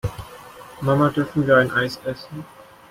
Mama, dürfen wir ein Eis essen?